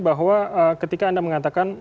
bahwa ketika anda mengatakan